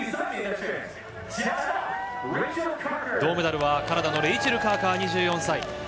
銅メダルはカナダのレイチェル・カーカー２４歳。